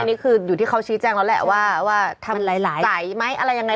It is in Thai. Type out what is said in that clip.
อันนี้คืออยู่ที่เขาชี้แจ้งแล้วแหละว่าทำหลายสายไหมอะไรยังไง